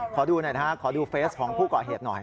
ขอดูหน่อยนะฮะขอดูเฟสของผู้ก่อเหตุหน่อย